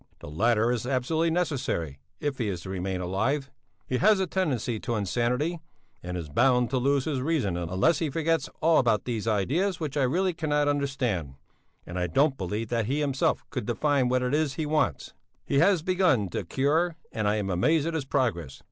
The latter is absolutely necessary, if he is to remain alive; he has a tendency to insanity, and is bound to lose his reason unless he forgets all about these ideas which I really cannot understand; and I don't believe that he himself could define what it is he wants. He has begun the cure and I am amazed at his progress.